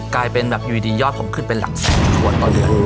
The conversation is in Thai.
กลายเป็นแบบอยู่ดียอดผมขึ้นเป็นหลักแสนถั่วต่อเดือน